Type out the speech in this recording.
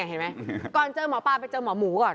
เห็นไหมก่อนเจอหมอปลาไปเจอหมอหมูก่อน